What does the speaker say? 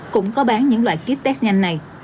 cũng có bán những loại kiếp test nhanh này